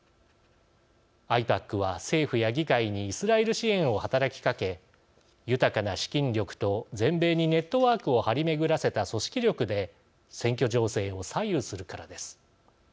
ＡＩＰＡＣは、政府や議会にイスラエル支援を働きかけ豊かな資金力と全米にネットワークを張り巡らせた組織力で選挙情勢を左右するからです。